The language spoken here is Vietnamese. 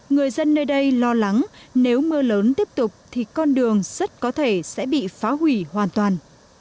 người dân nơi đây lo lắng nếu mưa lớn tiếp tục thì con đường rất có thể sẽ bị phá hủy hoàn toàn